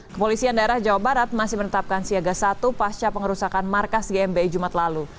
kepolisian daerah jawa barat masih menetapkan siaga satu pasca pengerusakan markas gmi jumat lalu